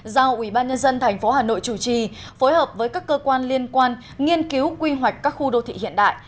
giao ubnd tp hà nội chủ trì phối hợp với các cơ quan liên quan nghiên cứu quy hoạch các khu đô thị hiện đại